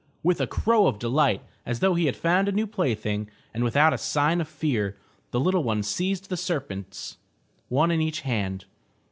With a crow of delight, as though he had found a new plaything, and without a sign of fear, the little one seized the serpents, one in each hand.